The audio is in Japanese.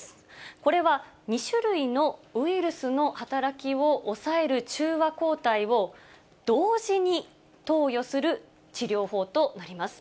これは、２種類のウイルスの働きを抑える中和抗体を同時に投与する治療法となります。